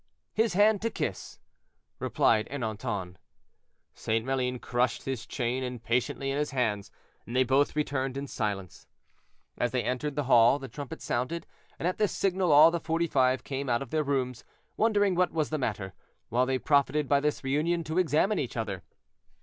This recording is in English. "His hand to kiss," replied Ernanton. St. Maline crushed his chain impatiently in his hands, and they both returned in silence. As they entered the hall, the trumpet sounded, and at this signal all the Forty five came out of their rooms, wondering what was the matter; while they profited by this reunion to examine each other.